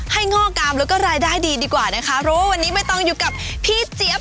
ง่องามแล้วก็รายได้ดีดีกว่านะคะเพราะว่าวันนี้ไม่ต้องอยู่กับพี่เจี๊ยบ